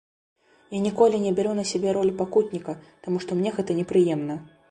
Я ніколі не бяру на сябе ролю пакутніка, таму што мне гэта непрыемна.